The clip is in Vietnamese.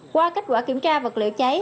qua kết quả kiểm tra vật liệu cháy